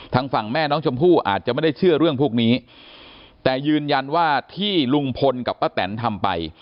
ทางฝั่งแม่น้องชมพู่อาจจะไม่ได้เชื่อเรื่องพวกนี้แต่ยืนยันว่าที่ลุงพลกับป้าแตนทำไป